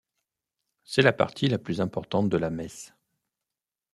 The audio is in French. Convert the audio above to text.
C'est la partie la plus importante de la messe.